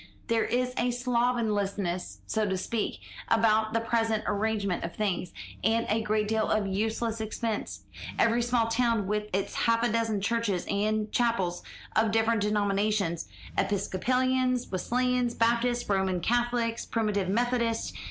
"There is a slovenliness, so to speak, about the present arrangement of things, and a great deal of useless expense; every small town with its half a dozen churches and chapels of different denominations Episcopalians, Wesleyans, Baptists, Roman Catholics, Primitive Methodists.